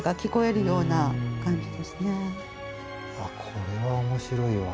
これは面白いわ。